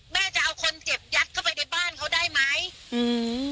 แม่จะเอาคนเจ็บยัดเข้าไปในบ้านเขาได้ไหมอืม